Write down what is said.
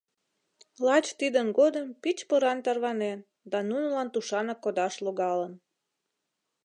Лач тидын годым пич поран тарванен да нунылан тушанак кодаш логалын.